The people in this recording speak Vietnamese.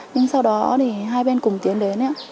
nhưng sau đó thì hai bên cùng tiến đến